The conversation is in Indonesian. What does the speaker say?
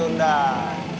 sekarang berhenti yaa